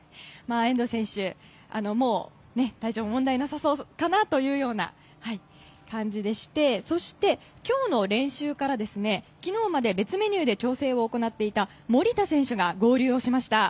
遠藤選手、もう体調も問題なさそうかなというような感じでしてそして今日の練習から昨日まで別メニューで調整を行っていた守田選手が合流しました。